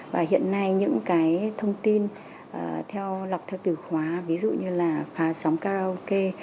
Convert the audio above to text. và hiện nay những cái thông tin theo lọc theo từ khóa ví dụ như là phá sóng karaoke